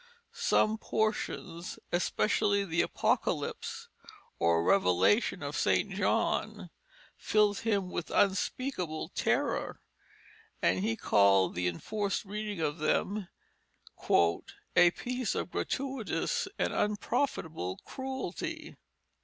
Some portions, especially the Apocalypse or Revelation of St. John, filled him with unspeakable terror, and he called the enforced reading of them "a piece of gratuitous and unprofitable cruelty."